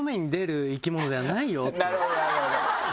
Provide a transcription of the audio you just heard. なるほどなるほど。